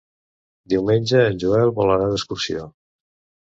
Diumenge en Joel vol anar d'excursió.